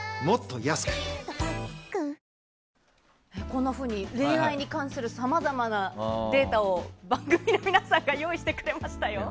こんなふうに恋愛に関するさまざまなデータを番組の皆さんが用意してくれましたよ。